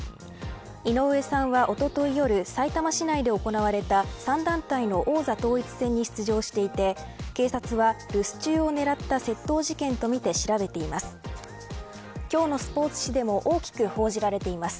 井上さんはおととい夜さいたま市内で行われた３団体の王座統一戦に出場していて警察は、留守中を狙った窃盗事件とみて調べています。